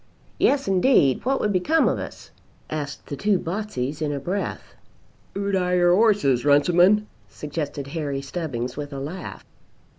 "Yes indeed, what would become of us?" asked the two Botseys in a breath. "Ho'd 'ire our 'orses, Runciman?" suggested Harry Stubbings with a laugh.